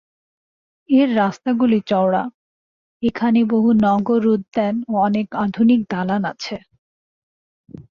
এর রাস্তাগুলি চওড়া, এখানে বহু নগর উদ্যান ও অনেক আধুনিক দালান আছে।